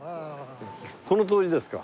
この通りですか。